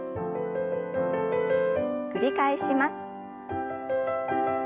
繰り返します。